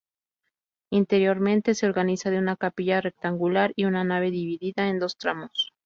Interiormente, se organiza de una capilla rectangular y una nave dividida en dos tramos.